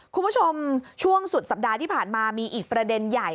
คุณผู้ชมช่วงสุดสัปดาห์ที่ผ่านมามีอีกประเด็นใหญ่